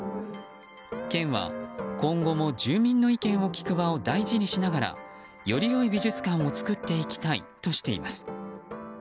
県は、今後も住民の意見を聞く場を大事にしながらより良い美術館を作っていきたいとしています。